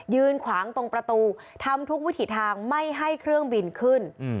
ยืนขวางตรงประตูทำทุกวิถีทางไม่ให้เครื่องบินขึ้น